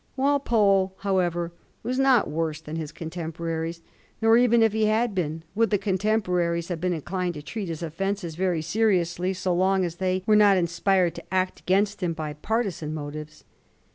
Walpole, however, was not worse than his contemporaries ; nor, even if he had been, would the contemporaries have been inclined to treat his offences very seriously so long as they were not inspired to act against him by partisan motives.